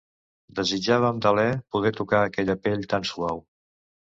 Desitjava amb deler poder tocar aquella pell tan suau.